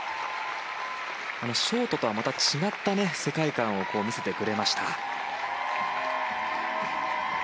ショートとはまた違った世界観を見せてくれました。